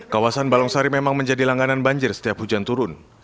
kawasan balong sari memang menjadi langganan banjir setiap hujan turun